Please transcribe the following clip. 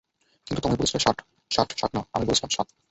কিন্তু তুমি বলেছিলে ষাট, ষাট ষাট না, আমি বলেছিলাম সাত।